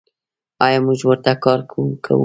آیا موږ ورته کار کوو؟